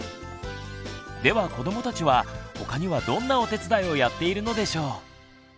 では子どもたちは他にはどんなお手伝いをやっているのでしょう。